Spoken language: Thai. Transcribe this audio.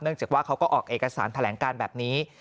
จากว่าเขาก็ออกเอกสารแถลงการแบบนี้